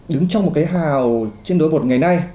đứng trong một cái hào trên đôi một ngày nay